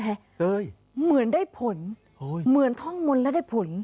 เหมือนได้ผลเหมือนท่องมนต์และได้ผล